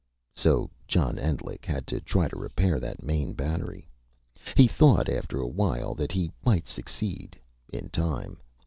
So John Endlich had to try to repair that main battery. He thought, after a while, that he might succeed in time.